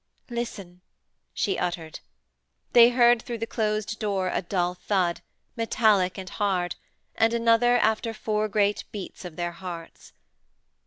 'Listen!' she uttered. They heard through the closed door a dull thud, metallic and hard and another after four great beats of their hearts.